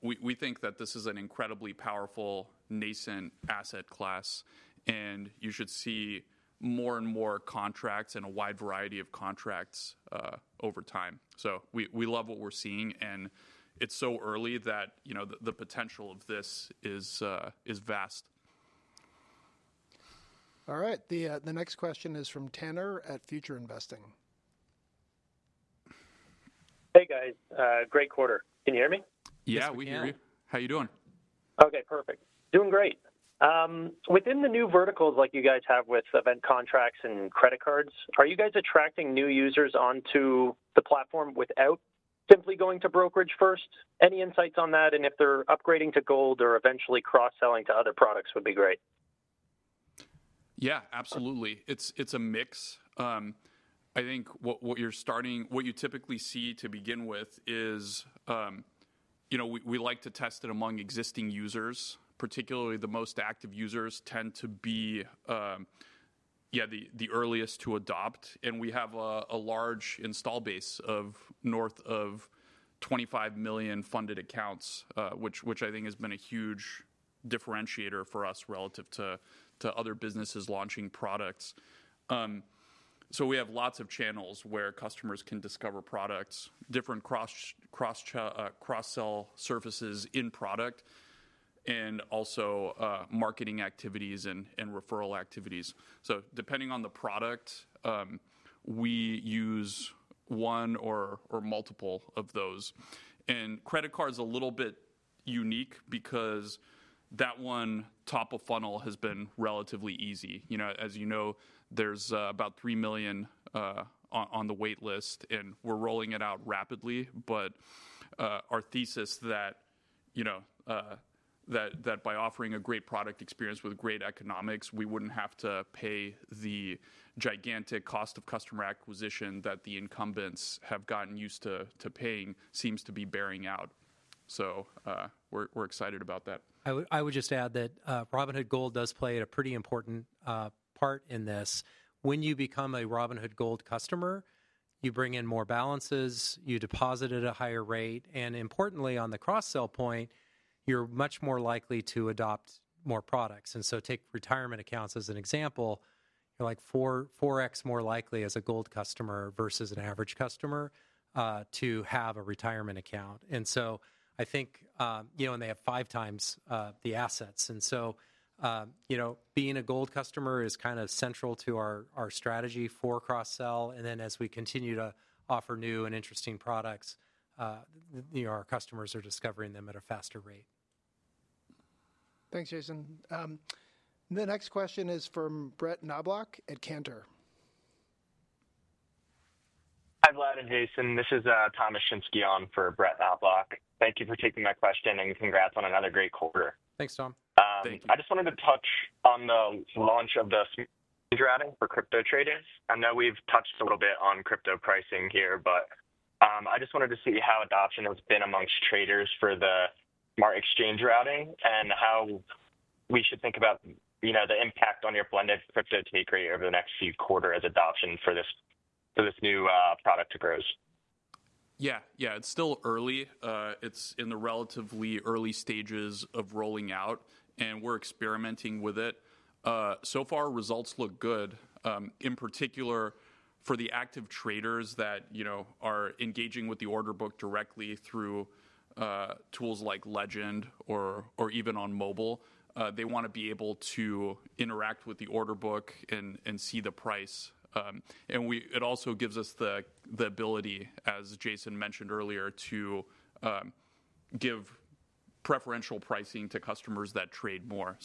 We think that this is an incredibly powerful nascent asset class, and you should see more and more contracts and a wide variety of contracts over time. We love what we're seeing, and it's so early that the potential of this is vast. All right. The next question is from Tannor at Future Investing. Hey, guys. Great quarter. Can you hear me? Yeah, we hear you. How are you doing? Okay, perfect. Doing great. Within the new verticals like you guys have with event contracts and credit cards, are you guys attracting new users onto the platform without simply going to brokerage first? Any insights on that? If they're upgrading to Gold or eventually cross-selling to other products, would be great. Yeah, absolutely. It's a mix. I think what you're starting, what you typically see to begin with is we like to test it among existing users. Particularly, the most active users tend to be, yeah, the earliest to adopt. We have a large install base of north of 25 million funded accounts, which I think has been a huge differentiator for us relative to other businesses launching products. We have lots of channels where customers can discover products, different cross-sell services in product, and also marketing activities and referral activities. Depending on the product, we use one or multiple of those. Credit card is a little bit unique because that one top of funnel has been relatively easy. As you know, there's about 3 million on the waitlist, and we're rolling it out rapidly. Our thesis that by offering a great product experience with great economics, we would not have to pay the gigantic cost of customer acquisition that the incumbents have gotten used to paying seems to be bearing out. We are excited about that. I would just add that Robinhood Gold does play a pretty important part in this. When you become a Robinhood Gold customer, you bring in more balances, you deposit at a higher rate, and importantly, on the cross-sell point, you're much more likely to adopt more products. Take retirement accounts as an example. You're like 4x more likely as a Gold customer versus an average customer to have a retirement account. I think they have five times the assets. Being a Gold customer is kind of central to our strategy for cross-sell. As we continue to offer new and interesting products, our customers are discovering them at a faster rate. Thanks, Jason. The next question is from Brett Knoblauch at Cantor. Hi, Vlad and Jason. This is Thomas Shinske on for Brett Knoblauch. Thank you for taking my question and congrats on another great quarter. Thanks, Tom. I just wanted to touch on the launch of the exchange routing for crypto traders. I know we've touched a little bit on crypto pricing here, but I just wanted to see how adoption has been amongst traders for the smart exchange routing and how we should think about the impact on your blended crypto take rate over the next few quarters of adoption for this new product to grows. Yeah, yeah. It's still early. It's in the relatively early stages of rolling out, and we're experimenting with it. So far, results look good. In particular, for the active traders that are engaging with the order book directly through tools like Legend or even on mobile, they want to be able to interact with the order book and see the price. It also gives us the ability, as Jason mentioned earlier, to give preferential pricing to customers that trade more.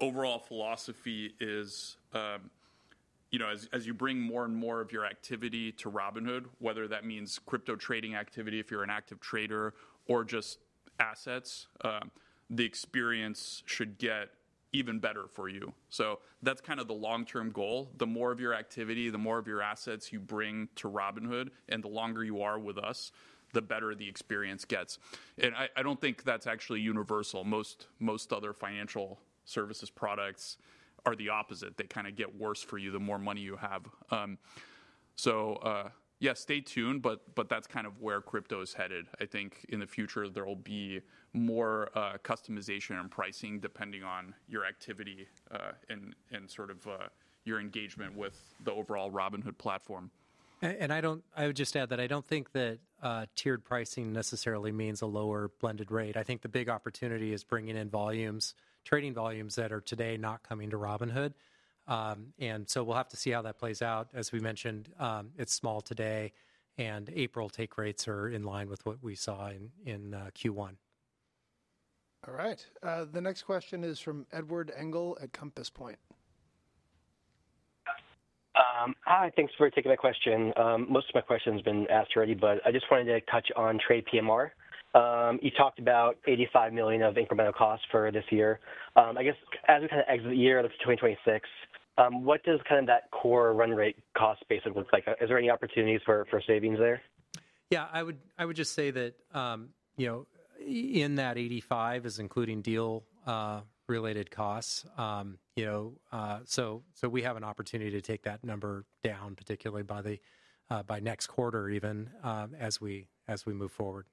Overall philosophy is, as you bring more and more of your activity to Robinhood, whether that means crypto trading activity if you're an active trader or just assets, the experience should get even better for you. That's kind of the long-term goal. The more of your activity, the more of your assets you bring to Robinhood, and the longer you are with us, the better the experience gets. I do not think that is actually universal. Most other financial services products are the opposite. They kind of get worse for you the more money you have. Stay tuned, but that is kind of where crypto is headed. I think in the future, there will be more customization and pricing depending on your activity and sort of your engagement with the overall Robinhood platform. I would just add that I don't think that tiered pricing necessarily means a lower blended rate. I think the big opportunity is bringing in volumes, trading volumes that are today not coming to Robinhood. We will have to see how that plays out. As we mentioned, it's small today, and April take rates are in line with what we saw in Q1. All right. The next question is from Edward Engel at Compass Point. Hi, thanks for taking my question. Most of my questions have been asked already, but I just wanted to touch on TradePMR. You talked about $85 million of incremental costs for this year. I guess as we kind of exit the year of 2026, what does kind of that core run rate cost basically look like? Is there any opportunities for savings there? Yeah, I would just say that in that $85 million is including deal-related costs. We have an opportunity to take that number down, particularly by next quarter even as we move forward.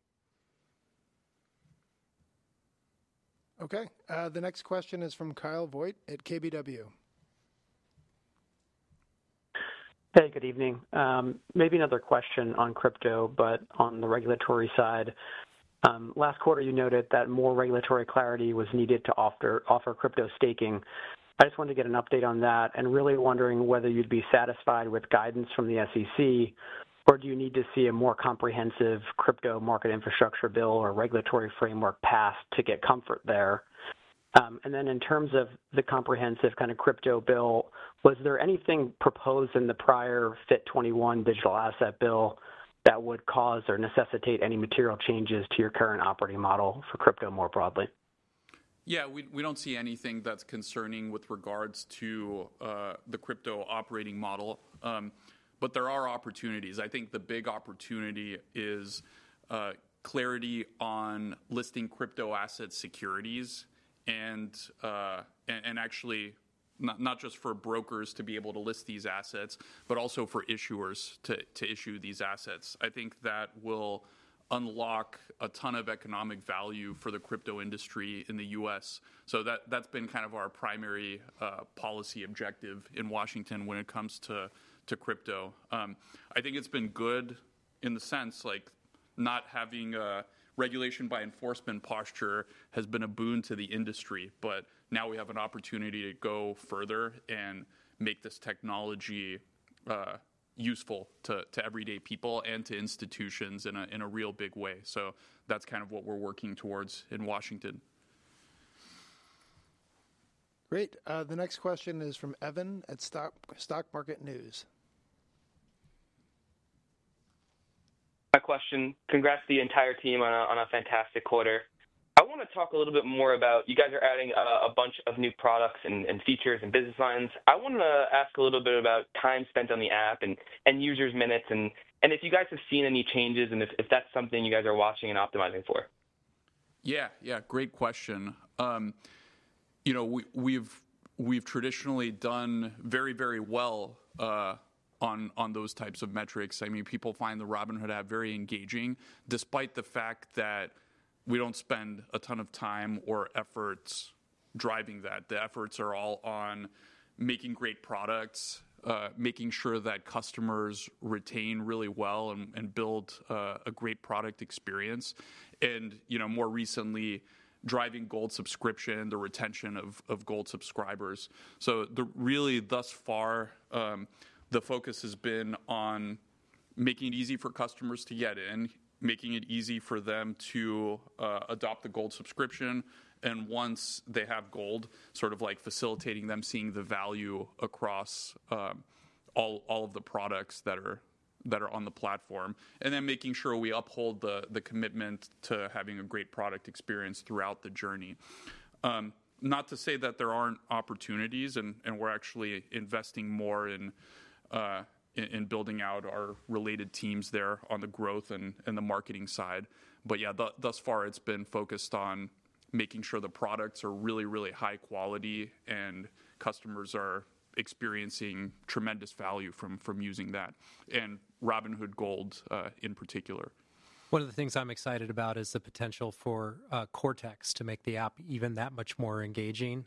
Okay. The next question is from Kyle Voigt at KBW. Hey, good evening. Maybe another question on crypto, but on the regulatory side. Last quarter, you noted that more regulatory clarity was needed to offer crypto staking. I just wanted to get an update on that and really wondering whether you'd be satisfied with guidance from the SEC, or do you need to see a more comprehensive crypto market infrastructure bill or regulatory framework passed to get comfort there? In terms of the comprehensive kind of crypto bill, was there anything proposed in the prior FIT21 digital asset bill that would cause or necessitate any material changes to your current operating model for crypto more broadly? Yeah, we don't see anything that's concerning with regards to the crypto operating model, but there are opportunities. I think the big opportunity is clarity on listing crypto asset securities and actually not just for brokers to be able to list these assets, but also for issuers to issue these assets. I think that will unlock a ton of economic value for the crypto industry in the U.S. That's been kind of our primary policy objective in Washington when it comes to crypto. I think it's been good in the sense like not having a regulation by enforcement posture has been a boon to the industry, but now we have an opportunity to go further and make this technology useful to everyday people and to institutions in a real big way. That's kind of what we're working towards in Washington. Great. The next question is from Evan at StockMKTNewz. My question. Congrats to the entire team on a fantastic quarter. I want to talk a little bit more about you guys are adding a bunch of new products and features and business lines. I want to ask a little bit about time spent on the app and users' minutes and if you guys have seen any changes and if that's something you guys are watching and optimizing for. Yeah, yeah. Great question. We've traditionally done very, very well on those types of metrics. I mean, people find the Robinhood app very engaging despite the fact that we don't spend a ton of time or efforts driving that. The efforts are all on making great products, making sure that customers retain really well and build a great product experience, and more recently, driving Gold subscription, the retention of Gold subscribers. Really, thus far, the focus has been on making it easy for customers to get in, making it easy for them to adopt the Gold subscription, and once they have Gold, sort of like facilitating them seeing the value across all of the products that are on the platform, and then making sure we uphold the commitment to having a great product experience throughout the journey. Not to say that there aren't opportunities, and we're actually investing more in building out our related teams there on the growth and the marketing side. Yeah, thus far, it's been focused on making sure the products are really, really high quality and customers are experiencing tremendous value from using that and Robinhood Gold in particular. One of the things I'm excited about is the potential for Cortex to make the app even that much more engaging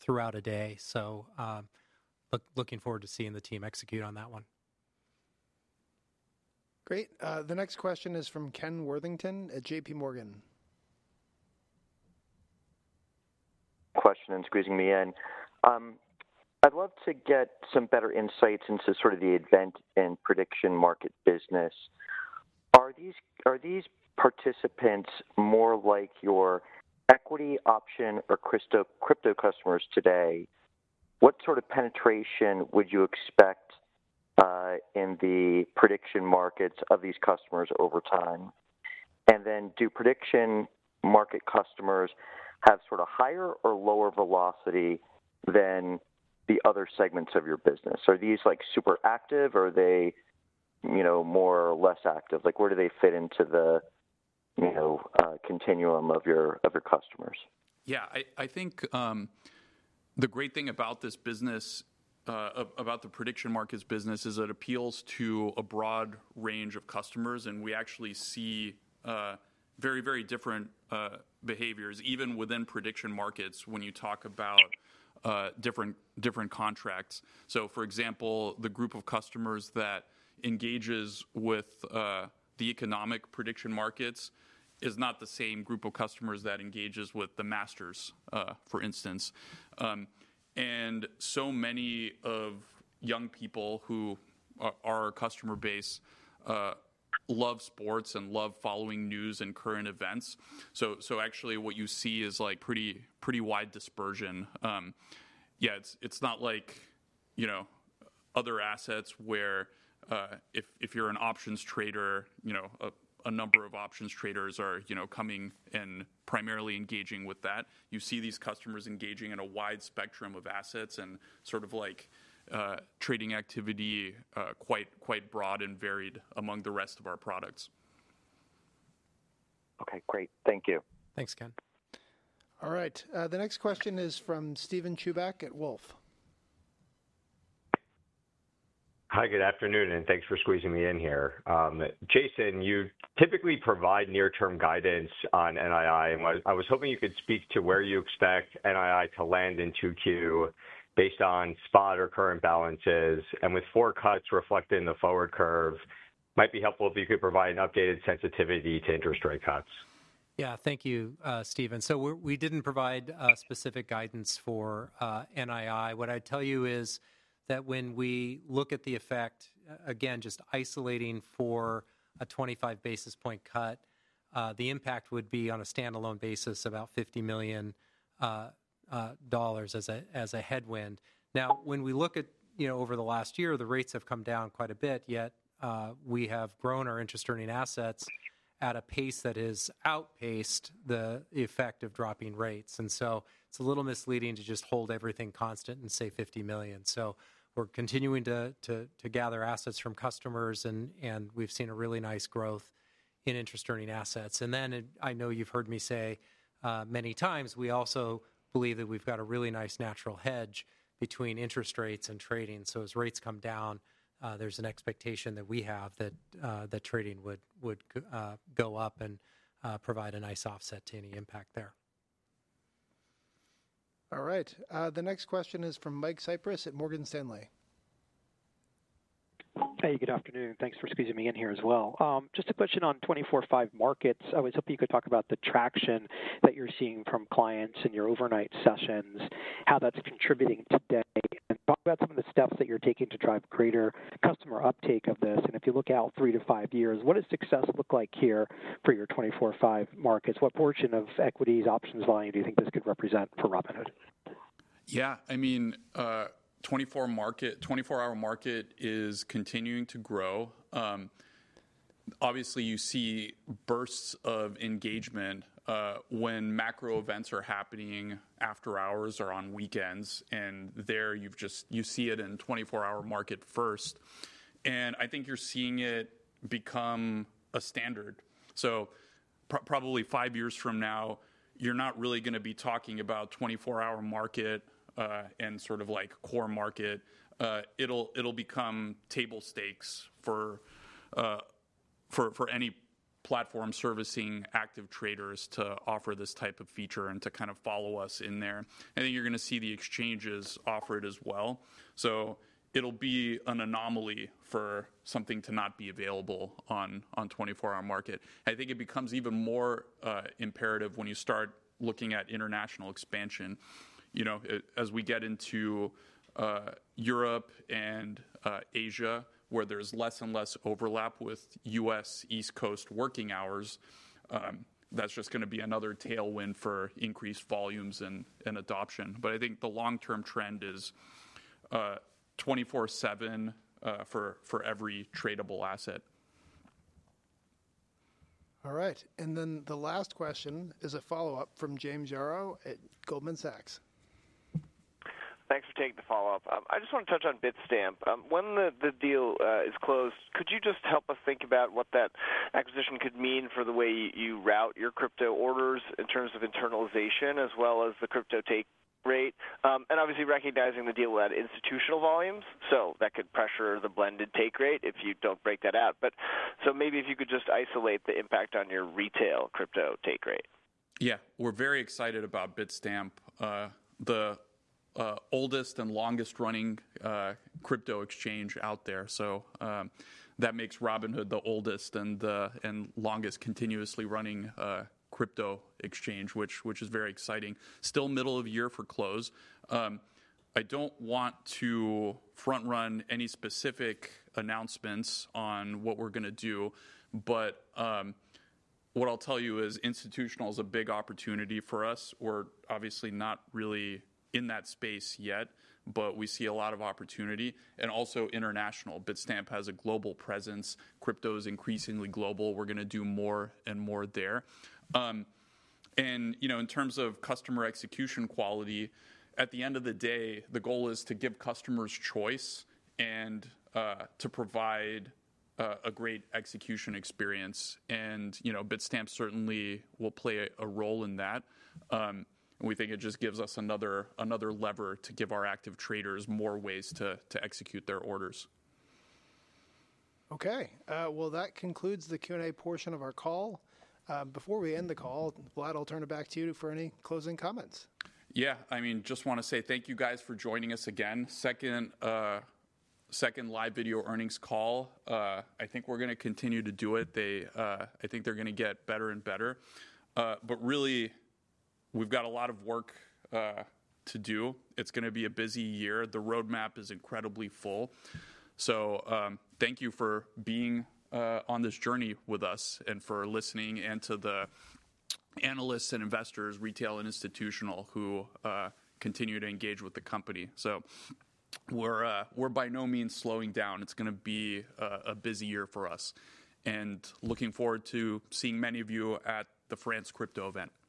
throughout a day. I am looking forward to seeing the team execute on that one. Great. The next question is from Ken Worthington at JPMorgan. Question and squeezing me in. I'd love to get some better insights into sort of the event and prediction market business. Are these participants more like your equity option or crypto customers today? What sort of penetration would you expect in the prediction markets of these customers over time? Do prediction market customers have sort of higher or lower velocity than the other segments of your business? Are these super active or are they more or less active? Where do they fit into the continuum of your customers? Yeah, I think the great thing about this business, about the prediction markets business, is it appeals to a broad range of customers, and we actually see very, very different behaviors even within prediction markets when you talk about different contracts. For example, the group of customers that engages with the economic prediction markets is not the same group of customers that engages with the masters, for instance. Many of young people who are customer base love sports and love following news and current events. Actually, what you see is like pretty wide dispersion. It's not like other assets where if you're an options trader, a number of options traders are coming and primarily engaging with that. You see these customers engaging in a wide spectrum of assets and sort of like trading activity quite broad and varied among the rest of our products. Okay, great. Thank you. Thanks, Ken. All right. The next question is from Steven Chubak at Wolfe. Hi, good afternoon, and thanks for squeezing me in here. Jason, you typically provide near-term guidance on NII. I was hoping you could speak to where you expect NII to land in Q2 based on spot or current balances, and with four cuts reflected in the forward curve, it might be helpful if you could provide an updated sensitivity to interest rate cuts. Yeah, thank you, Steven. We did not provide specific guidance for NII. What I would tell you is that when we look at the effect, again, just isolating for a 25 basis point cut, the impact would be on a standalone basis about $50 million as a headwind. Now, when we look at over the last year, the rates have come down quite a bit, yet we have grown our interest-earning assets at a pace that has outpaced the effect of dropping rates. It is a little misleading to just hold everything constant and say $50 million. We are continuing to gather assets from customers, and we have seen a really nice growth in interest-earning assets. I know you have heard me say many times, we also believe that we have a really nice natural hedge between interest rates and trading. As rates come down, there's an expectation that we have that trading would go up and provide a nice offset to any impact there. All right. The next question is from Mike Cyprys at Morgan Stanley. Hey, good afternoon. Thanks for squeezing me in here as well. Just a question on 24/5 markets. I always hope you could talk about the traction that you're seeing from clients in your overnight sessions, how that's contributing today, and talk about some of the steps that you're taking to drive greater customer uptake of this. If you look out three to five years, what does success look like here for your 24/5 markets? What portion of equities, options, volume do you think this could represent for Robinhood? Yeah, I mean, 24 Hour Market is continuing to grow. Obviously, you see bursts of engagement when macro events are happening after hours or on weekends, and you see it in 24 Hour Market first. I think you're seeing it become a standard. Probably five years from now, you're not really going to be talking about 24 Hour Market and sort of like core market. It'll become table stakes for any platform servicing active traders to offer this type of feature and to kind of follow us in there. I think you're going to see the exchanges offer it as well. It'll be an anomaly for something to not be available on 24 Hour Market. I think it becomes even more imperative when you start looking at international expansion. As we get into Europe and Asia, where there's less and less overlap with U.S. East Coast working hours, that's just going to be another tailwind for increased volumes and adoption. I think the long-term trend is 24/7 for every tradable asset. All right. The last question is a follow-up from James Yaro at Goldman Sachs. Thanks for taking the follow-up. I just want to touch on Bitstamp. When the deal is closed, could you just help us think about what that acquisition could mean for the way you route your crypto orders in terms of internalization as well as the crypto take rate? Obviously recognizing the deal will add institutional volumes, so that could pressure the blended take rate if you do not break that out. Maybe if you could just isolate the impact on your retail crypto take rate. Yeah, we're very excited about Bitstamp, the oldest and longest-running crypto exchange out there. That makes Robinhood the oldest and longest continuously running crypto exchange, which is very exciting. Still middle of year for close. I don't want to front-run any specific announcements on what we're going to do, but what I'll tell you is institutional is a big opportunity for us. We're obviously not really in that space yet, but we see a lot of opportunity. Also, international, Bitstamp has a global presence. Crypto is increasingly global. We're going to do more and more there. In terms of customer execution quality, at the end of the day, the goal is to give customers choice and to provide a great execution experience. Bitstamp certainly will play a role in that. We think it just gives us another lever to give our active traders more ways to execute their orders. Okay. That concludes the Q&A portion of our call. Before we end the call, Vlad, I'll turn it back to you for any closing comments. Yeah, I mean, just want to say thank you guys for joining us again. Second live video earnings call. I think we're going to continue to do it. I think they're going to get better and better. Really, we've got a lot of work to do. It's going to be a busy year. The roadmap is incredibly full. Thank you for being on this journey with us and for listening and to the analysts and investors, retail and institutional, who continue to engage with the company. We're by no means slowing down. It's going to be a busy year for us. Looking forward to seeing many of you at the France Crypto event.